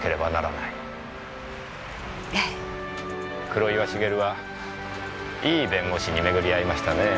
黒岩繁はいい弁護士にめぐり会いましたねえ。